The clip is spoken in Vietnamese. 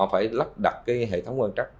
phải lắp đặt hệ thống quan trắc